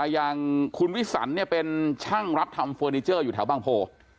อย่างคุณวิสันเป็นช่างรับทำเฟอร์นิเจอร์อยู่แถวบางโพ